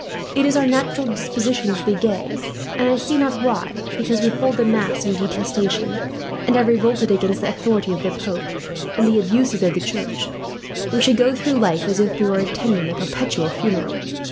It is our natural disposition to be gay, and I see not why, because we hold the Mass in detestation, and have revolted against the authority of the Pope and the abuses of the church, we should go through life as if we were attending a perpetual funeral.